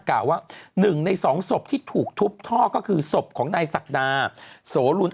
กล่าวว่า๑ใน๒ศพที่ถูกทุบท่อก็คือศพของนายศักดาโสลุน